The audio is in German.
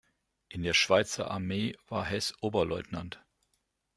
In der Schweizer Armee war Hess Oberleutnant.